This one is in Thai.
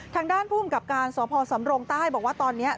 ทางด้านภูมิกับการสพสำรงใต้บอกว่าตอนนี้